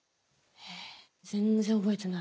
え全然覚えてない。